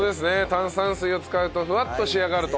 炭酸水を使うとふわっと仕上がると。